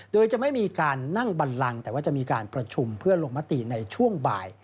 โดยจะไม่มีการนั่งบันลังแต่ว่าจะมีการประชุมเพื่อลงมติในช่วงบ่าย